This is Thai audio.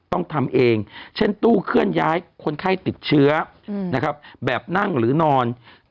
ต้องทำเองเช่นตู้เคลื่อนย้ายคนไข้ติดเชื้อนะครับแบบนั่งหรือนอน